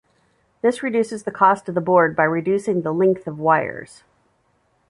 This reduces the cost of the board by reducing the length of wires.